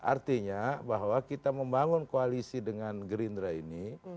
artinya bahwa kita membangun koalisi dengan gerindra ini